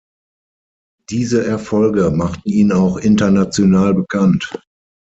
Diese Erfolge machten ihn auch international bekannt.